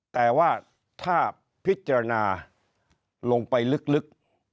แต่ว่าถ้าพิจารณาลงไปลึก